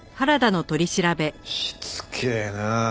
しつけえな。